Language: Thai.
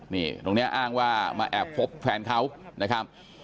นี่ตรงนี้อ้างว่ามาแอบพบแฟนเขานะครับ